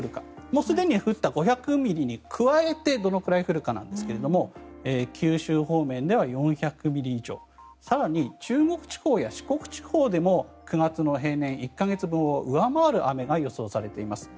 もうすでに降った５００ミリに加えてどのぐらい降るかなんですが九州方面では４００ミリ以上更に中国地方や四国地方でも９月の平年１か月分を上回る雨が予想されています。